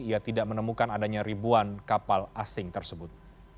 ia tidak menemukan adanya ribuan kapal asing tersebut